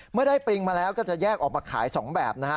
เมื่อได้ปริงมาแล้วก็จะแยกออกมาขาย๒แบบนะฮะ